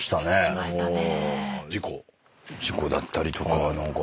事故だったりとかが何か。